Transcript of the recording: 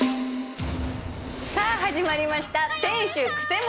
さあ始まりました「店主クセ者！」。